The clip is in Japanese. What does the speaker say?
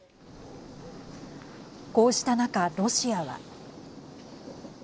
こうした中、ロシアは。